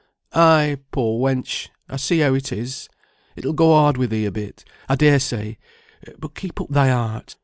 "Ay, poor wench, I see how it is. It'll go hard with thee a bit, I dare say; but keep up thy heart.